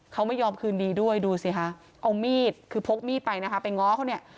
เขาไม่ยอมคืนดีด้วยดูสิคะเอามีดคือพกมีดไปนะคะไปง้อเขาเนี่ย